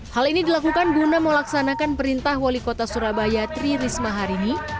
hal ini dilakukan guna melaksanakan perintah wali kota surabaya tri risma hari ini